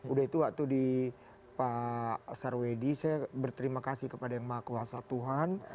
udah itu waktu di pak sarwedi saya berterima kasih kepada yang maha kuasa tuhan